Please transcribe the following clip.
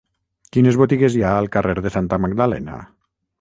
Quines botigues hi ha al carrer de Santa Magdalena?